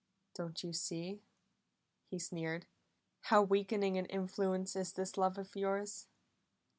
"Do you see," he sneered, "how weakening an influence is this love of yours?